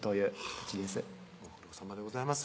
ご苦労さまでございます